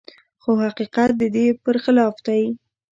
خو حقيقت د دې پرخلاف دی.